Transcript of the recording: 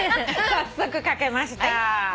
早速掛けました。